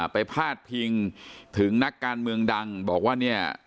พาดพิงถึงนักการเมืองดังบอกว่าเนี่ย